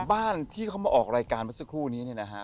บ้านที่เขามาออกรายการเมื่อสักครู่นี้เนี่ยนะฮะ